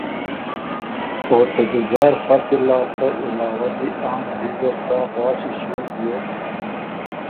او ته ځُځار فصل لاسته علاوه دی عام ګری زر سا غواݭی ݭیوک بیوک